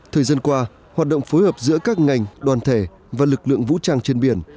thời gian qua hoạt động phối hợp giữa các ngành đoàn thể và lực lượng vũ trang trên biển